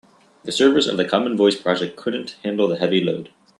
The servers of the common voice project couldn't handle the heavy load.